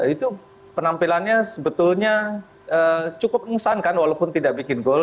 itu penampilannya sebetulnya cukup mengesankan walaupun tidak bikin gol